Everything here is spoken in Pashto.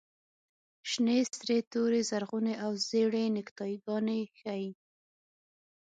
شنې، سرې، تورې، زرغونې او زېړې نیکټایي ګانې ښیي.